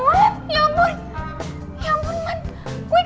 ya ampun man